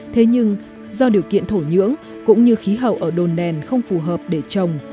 thế nhưng do điều kiện thổ nhưỡng cũng như khí hậu ở đồn đèn không phù hợp để trồng